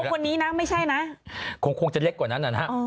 คนนี้นะไม่ใช่นะคงจะเล็กกว่านั้นนะฮะ